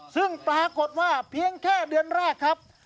ซึ่งปรากฏว่าเพียงแค่เดือนแรกครับ